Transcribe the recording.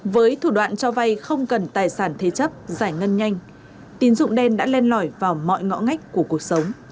với thủ đoạn cho vay không cần tài sản thế chấp giải ngân nhanh tín dụng đen đã len lỏi vào mọi ngõ ngách của cuộc sống